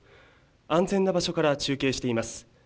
安全な場所から中継しています。